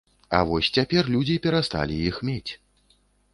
А вось цяпер людзі перасталі іх мець.